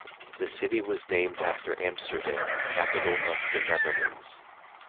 The city was named after Amsterdam, capital of the Netherlands.